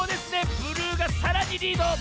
ブルーがさらにリード。